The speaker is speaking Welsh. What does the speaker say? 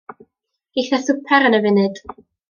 Geith e swper yn y funud.